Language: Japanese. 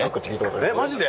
えっマジで？